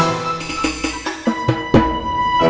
masa mainnya ular tangga